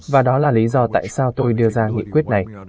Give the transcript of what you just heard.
và đó là lý do tại sao tôi đưa ra nghị quyết này